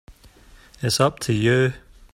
It's up to you.